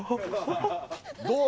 どう？